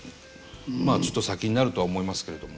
まあちょっと先になるとは思いますけれども。